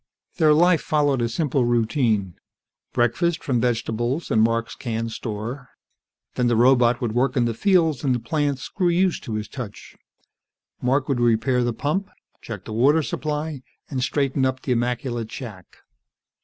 Their life followed a simple routine. Breakfast, from vegetables and Mark's canned store. Then the robot would work in the fields, and the plants grew used to his touch. Mark would repair the pump, check the water supply, and straighten up the immaculate shack.